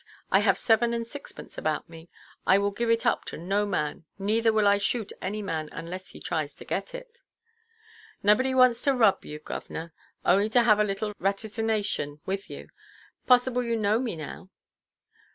I have seven and sixpence about me; I will give it up to no man. Neither will I shoot any man, unless he tries to get it." "Nubbody wants to rob you, govʼnor, only to have a little rattysination with you. Possible you know me now?"